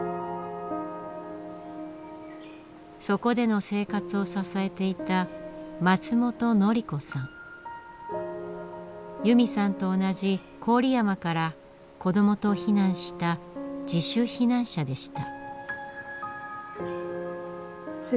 そこでの生活を支えていた由美さんと同じ郡山から子どもと避難した自主避難者でした。